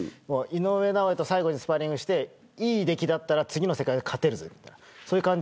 井上尚弥と最後にスパーリングしていい出来だったら次の世界で勝てるぞっていう。